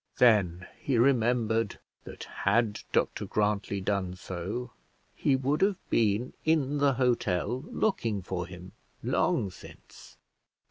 Then he remembered that had Dr Grantly done so, he would have been in the hotel, looking for him long since.